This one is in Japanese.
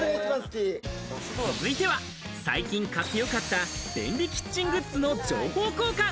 続いては、最近買ってよかった便利キッチングッズの情報交換。